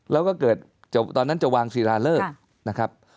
แล้วก็เกิดตอนนั้นจะวางศิลาเลิศนะครับ